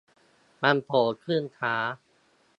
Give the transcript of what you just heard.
มันโผล่ขึ้นฟ้า